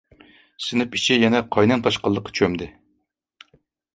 سىنىپ ئىچى يەنە قاينام-تاشقىنلىققا چۆمدى.